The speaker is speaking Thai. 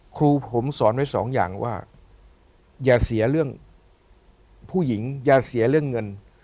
ครูผมสอนไว้สองอย่างว่าอย่าเสียเรื่องผู้หญิงอย่าเสียเรื่องเงิน